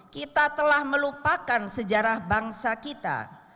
kita telah melupakan sejarah bangsa kita